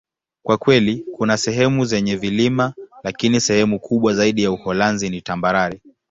Kwa kweli, kuna sehemu zenye vilima, lakini sehemu kubwa zaidi ya Uholanzi ni tambarare.